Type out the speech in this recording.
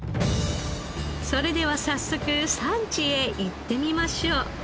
それでは早速産地へ行ってみましょう。